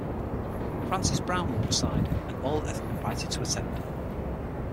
Frances Brown will preside; and all are invited to attend.